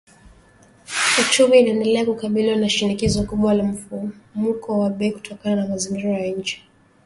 Uchumi unaendelea kukabiliwa na shinikizo kubwa la mfumuko wa bei kutokana na mazingira ya nje